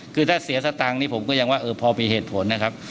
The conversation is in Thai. คือถ้าเสียสตังค์นี่ผมก็ยังว่าพอมีเหตุผลนะครับ